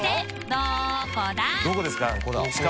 どこですか？